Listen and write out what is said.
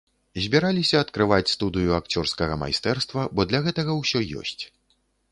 Збіраліся адкрываць студыю акцёрскага майстэрства, бо для гэтага ўсё ёсць.